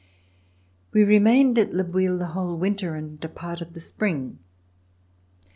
We remained at Le Bouilh the whole winter and a part of the spring.